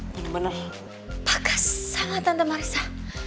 bener bener bagas sama tante marissa